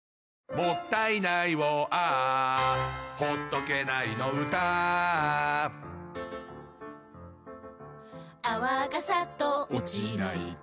「もったいないをＡｈ」「ほっとけないの唄Ａｈ」「泡がサッと落ちないと」